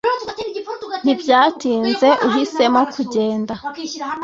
ntibyatinze, uhisemo kugenda